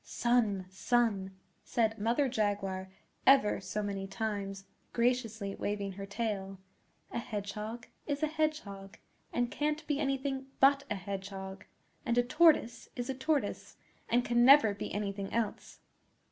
'Son, son!' said Mother Jaguar ever so many times, graciously waving her tail, 'a Hedgehog is a Hedgehog, and can't be anything but a Hedgehog; and a Tortoise is a Tortoise, and can never be anything else.